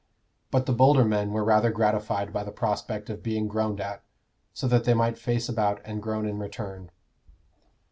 But the bolder men were rather gratified by the prospect of being groaned at, so that they might face about and groan in return.